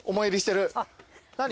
何？